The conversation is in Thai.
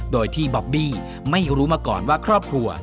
โดยที่บอบบี้ไม่รู้มาก่อนว่าครอบครัว